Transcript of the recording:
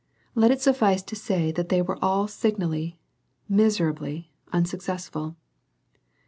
Let it suffice to say that they were all signally, miserably, unsuccessful.